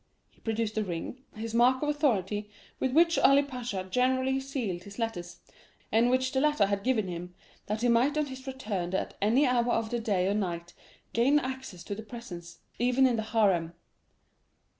He produced the ring, his mark of authority, with which Ali Pasha generally sealed his letters, and which the latter had given him, that he might, on his return at any hour of the day or night, gain access to the presence, even in the harem.